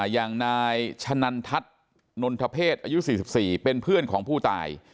อย่างนายชะนันทัศน์นนทเพศอายุ๔๔เป็นเพื่อนของผู้ตาย